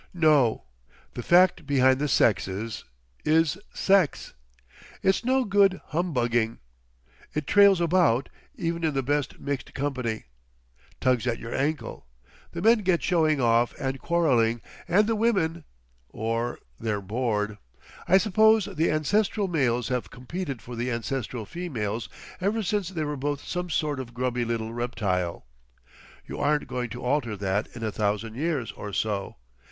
No. The fact behind the sexes—is sex. It's no good humbugging. It trails about—even in the best mixed company. Tugs at your ankle. The men get showing off and quarrelling—and the women. Or they're bored. I suppose the ancestral males have competed for the ancestral females ever since they were both some sort of grubby little reptile. You aren't going to alter that in a thousand years or so....